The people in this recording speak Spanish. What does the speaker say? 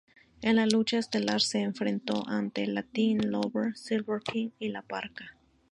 En la lucha estelar se enfrentó ante Latin Lover, Silver King y la Parka.